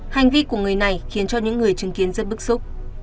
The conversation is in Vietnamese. hành vi của người này khiến cho những người chứng kiến rất bức xúc